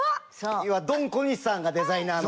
ドン小西さんがデザイナーの。